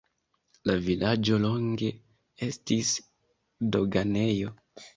La vilaĝo longe estis doganejo.